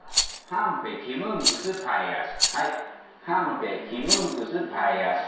ハンペキムンクスパイェアシ。